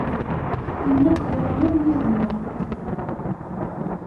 Ayen akk yeḍran yid-neɣ.